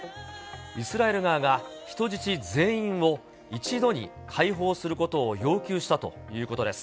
イスラエル側が、人質全員を一度に解放することを要求したということです。